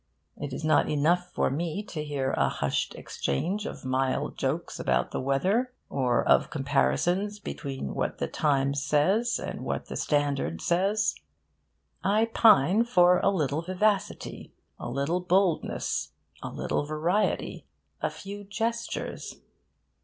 It is not enough for me to hear a hushed exchange of mild jokes about the weather, or of comparisons between what the Times says and what the Standard says. I pine for a little vivacity, a little boldness, a little variety, a few gestures.